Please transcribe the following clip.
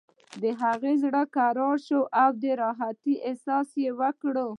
د هغه زړه کرار شو او د راحت احساس یې وکړ